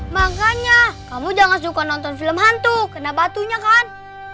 makanya kamu jangan suka nonton film hantu kena batunya kan